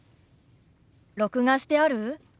録画してある？